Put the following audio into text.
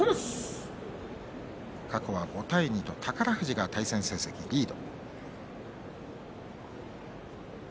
過去は５対２と宝富士が対戦成績リード。